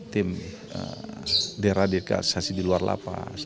tim deradikalisasi di luar lapas